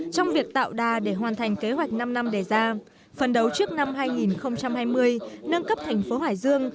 trong việc tạo đà để hoàn thành kế hoạch năm năm đề ra phần đầu trước năm hai nghìn hai mươi nâng cấp thành phố hải dương